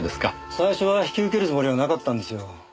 最初は引き受けるつもりはなかったんですよ。